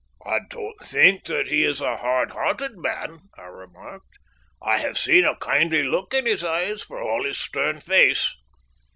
"I don't think that he is a hard hearted man," I remarked. "I have seen a kindly look in his eyes, for all his stern face."